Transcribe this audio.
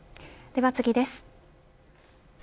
では次です。